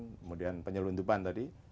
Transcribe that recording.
kemudian penyelundupan tadi